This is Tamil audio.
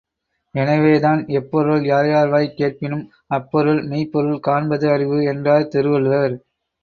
எனவேதான் எப்பொருள் யார்யார் வாய்க் கேட்பினும் அப்பொருள் மெய்ப்பொருள் காண்பது அறிவு என்றார் திருவள்ளுவர்.